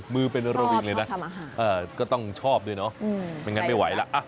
มือเป็นระวิงเลยนะก็ต้องชอบด้วยเนาะไม่งั้นไม่ไหวแล้ว